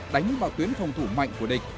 đánh vào tuyến phòng thủ mạnh của địch